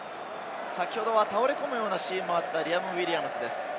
先ほどは倒れこむようなシーンもあったリアム・ウィリアムズです。